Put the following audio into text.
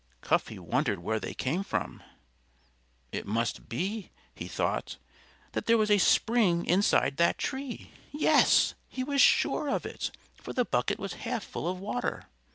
Cuffy wondered where they came from. It must be he thought that there was a spring inside that tree. Yes! he was sure of it, for the bucket was half full of water.